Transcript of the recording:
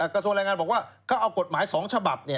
กระทรวงแรงงานบอกว่าเขาเอากฎหมาย๒ฉบับ